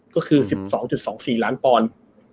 ก็คือ๑๒๒๔ล้านปอนด์